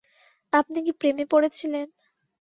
আপনি কি প্রেমে পড়েছিলেন?